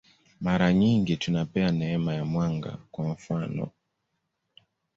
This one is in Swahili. Mara nyingi tunapewa neema ya mwanga, kwa mfanof.